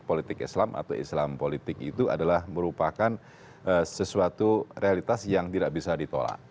politik islam atau islam politik itu adalah merupakan sesuatu realitas yang tidak bisa ditolak